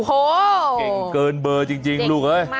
โอ้โหเก่งเกินเบอร์จริงลูกเอ้ย